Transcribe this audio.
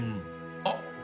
あっ！